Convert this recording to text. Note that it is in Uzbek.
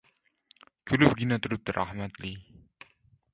kulibgina turibdi rahmatli.